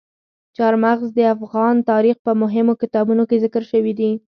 چار مغز د افغان تاریخ په مهمو کتابونو کې ذکر شوي دي.